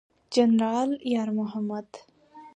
جنرال یار محمد